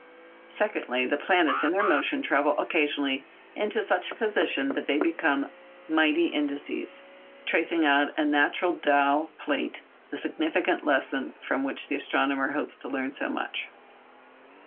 Secondly, the planets in their motion travel occasionally into such positions that they become mighty indices, tracing out on a natural dial plate the significant lesson from which the astronomer hopes to learn so much.